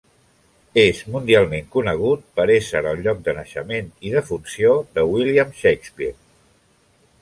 És mundialment conegut per ésser el lloc de naixement i defunció de William Shakespeare.